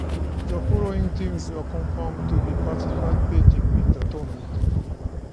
The following teams were confirmed to be participating in the tournament.